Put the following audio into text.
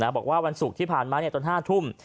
บอกว่าวันศุกร์ที่ผ่านมาตอน๕ทุ่ม